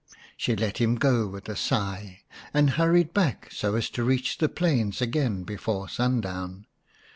She let him go with a sigh, and hurried back so as to reach the plains again before sundown.